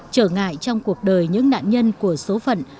trở ngại trong cuộc đời những nạn nhân của số phận